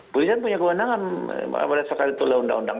polisian punya kewenangan pada saat itu oleh undang undang